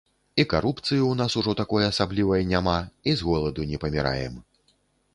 І карупцыі ў нас ужо такой асаблівай няма, і з голаду не паміраем.